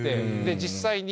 実際に。